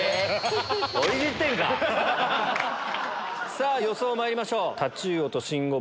さぁ予想まいりましょう。